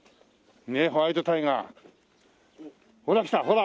ねえホワイトタイガー。